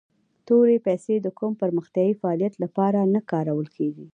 تورې پیسي د کوم پرمختیایي فعالیت لپاره نه کارول کیږي.